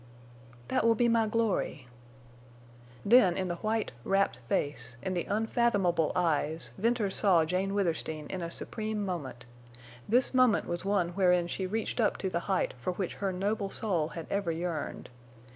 "That will be my glory." Then in the white, rapt face, in the unfathomable eyes, Venters saw Jane Withersteen in a supreme moment. This moment was one wherein she reached up to the height for which her noble soul had ever yearned.